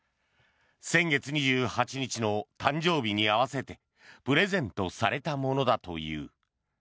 先月２８日の誕生日に合わせてプレゼントされたものだという。